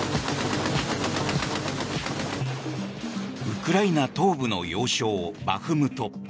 ウクライナ東部の要衝バフムト。